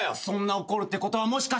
そんな怒るってことは。